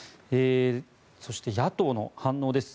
そして野党の反応です。